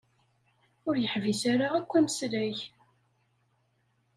Ur yeḥbis ara akk ameslay.